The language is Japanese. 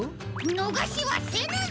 のがしはせぬぞ！